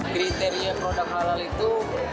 kriteria produk halal itu